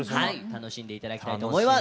楽しんで頂きたいと思います。